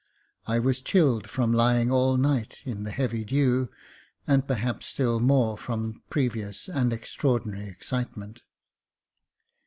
I was chilled from lying all night in the heavy dew, and perhaps still more from previous and extraordinary excitement.